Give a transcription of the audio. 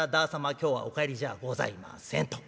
今日はお帰りじゃございません』と」。